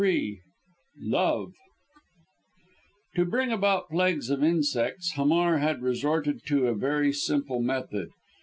CHAPTER XXIII LOVE To bring about plagues of insects Hamar had resorted to a very simple method.